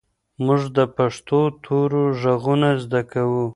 موږ د پښتو تورو ږغونه زده کوو.